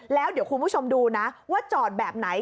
แล้วเดี๋ยวคุณผู้ชมดูนะว่าจอดแบบไหน